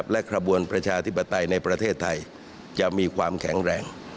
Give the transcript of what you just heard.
และกระบวนประชาธิปไตยในประเทศไทยจะมีความแข็งแรง